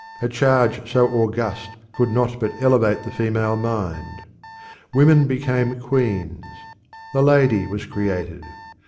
A charge so august could not but elevate the female mind. Women became queens. The Lady was created.